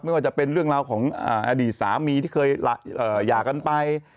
ว่าจะเป็นเรื่องราวของอดีตสามีที่เคยหย่ากันไป